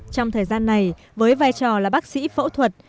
trong thời gian này với vai trò là bác sĩ phẫu thuật